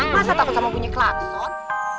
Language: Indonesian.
masa takut sama bunyi klakson